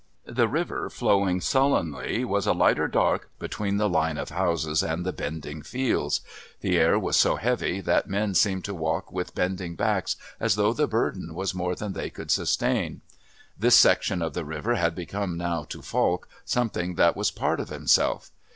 The river, flowing sullenly, was a lighter dark between the line of houses and the bending fields. The air was so heavy that men seemed to walk with bending backs as though the burden was more than they could sustain. This section of the river had become now to Falk something that was part of himself.